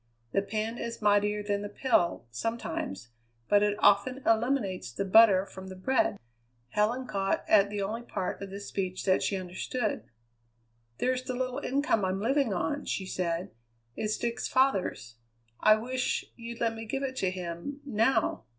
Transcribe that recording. The pen is mightier than the pill, sometimes, but it often eliminates the butter from the bread." Helen caught at the only part of this speech that she understood. "There's the little income I'm living on," she said; "it's Dick's father's. I wish you'd let me give it to him now.